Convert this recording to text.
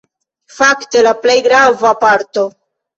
Fakte la plej grava parto.